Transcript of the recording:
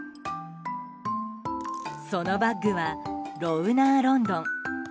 そのバッグはロウナーロンドン。